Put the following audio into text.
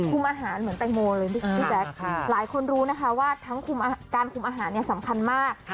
อาหารเหมือนแตงโมเลยพี่แจ๊คหลายคนรู้นะคะว่าทั้งคุมการคุมอาหารเนี่ยสำคัญมาก